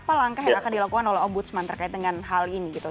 apa langkah yang akan dilakukan oleh om budsman terkait dengan hal ini